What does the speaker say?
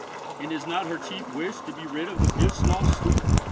And is not her chief wish to be rid of the Wildschloss suit?"